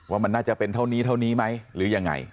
ว่ามันน่าจะเป็นเท่านี้เท่านี้ไหมหรือยังไง